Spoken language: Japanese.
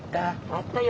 あったよ。